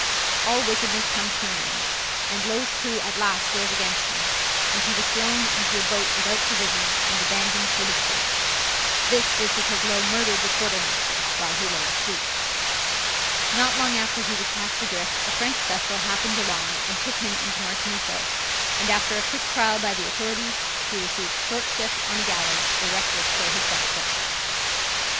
All wickedness comes to an end and Low's crew at last rose against him and he was thrown into a boat without provisions and abandoned to his fate. This was because Low murdered the quarter master while he lay asleep. Not long after he was cast adrift a French vessel happened along and took him into Martinico, and after a quick trial by the authorities he received short shift on a gallows erected for his benefit.